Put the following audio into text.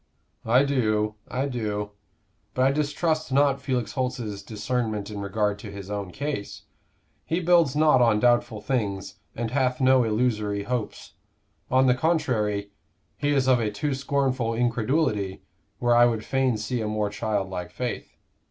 "I do, I do. But I distrust not Felix Holt's discernment in regard to his own case. He builds not on doubtful things and hath no illusory hopes; on the contrary, he is of a too scornful incredulity where I would fain see a more childlike faith.